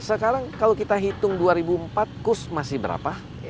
sekarang kalau kita hitung dua ribu empat kurs masih berapa